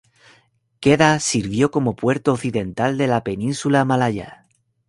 Kedah sirvió como puerto occidental de la península malaya.